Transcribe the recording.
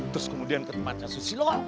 terus kemudian ke tempatnya susilo